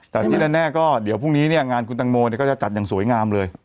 แต่ที่แน่ก็เดี๋ยวพรุ่งนี้เนี่ยงานคุณตังโมก็จะจัดอย่างสวยงามเลย